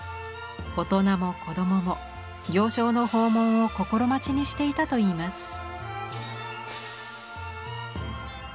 大人も子供も行商の訪問を心待ちにしていたといいます。